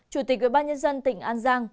chủ tịch ubnd tỉnh an giang